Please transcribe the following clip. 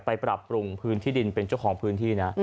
ปรับปรุงพื้นที่ดินเป็นเจ้าของพื้นที่นะ